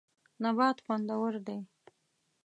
نبات خوندور دی.